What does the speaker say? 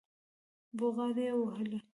بوغارې يې وهلې.